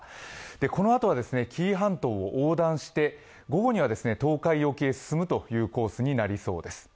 このあとは紀伊半島を横断して午後には東海沖へ進むコースになりそうです。